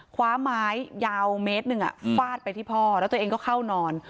คว้าไม้ยาวเมตรหนึ่งฟาดไปที่พ่อแล้วตัวเองก็เข้านอน